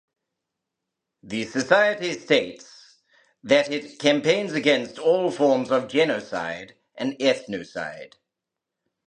The society states that it "campaigns against all forms of genocide and ethnocide".